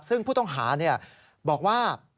ซึ่งผู้ต้องหาบอกว่า